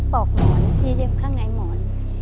อกหมอนที่เย็บข้างในหมอน